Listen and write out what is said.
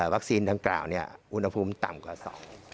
วัคซีนทั้งกล่าวเนี่ยอุณหภูมิต่ำกว่าสอง